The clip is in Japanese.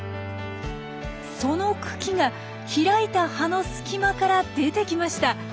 その茎が開いた葉の隙間から出てきました。